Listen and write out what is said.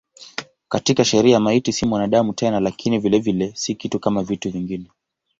Katika sheria maiti si mwanadamu tena lakini vilevile si kitu kama vitu vingine.